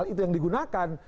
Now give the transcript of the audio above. itu yang digunakan